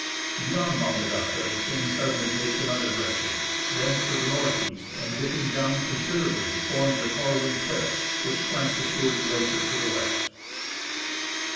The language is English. Beyond Mount Augusta the chain suddenly takes another direction, bends to the north east, and, dipping down considerably, forms the Corwin Cliffs, which flank the Seward Glacier to the west.